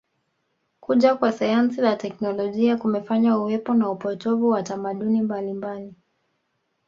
Kuja kwa sayansi na teknolojia kumefanya uwepo na upotovu wa tamaduni mbalimbali